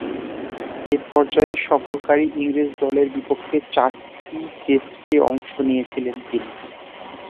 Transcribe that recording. এ পর্যায়ে সফরকারী ইংরেজ দলের বিপক্ষে চারটি টেস্টে অংশ নিয়েছিলেন তিনি।